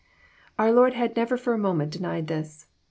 Our Lord had never for a moment denied this.